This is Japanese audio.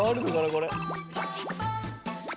これ。